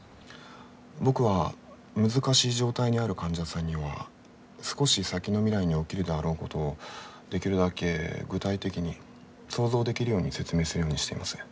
僕は難しい状態にある患者さんには少し先の未来に起きるであろうことをできるだけ具体的に想像できるように説明するようにしています。